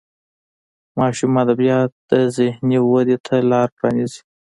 ماشوم ادبیات د ذهني ودې ته لار پرانیزي.